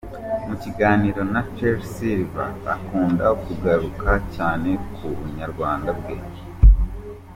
Mu kiganiro na Sherrie Silver akunda kugaruka cyane ku ‘bunyarwanda bwe’.